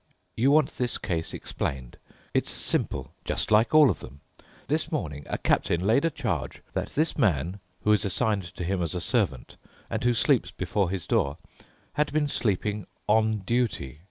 You want this case explained. It's simple—just like all of them. This morning a captain laid a charge that this man, who is assigned to him as a servant and who sleeps before his door, had been sleeping on duty.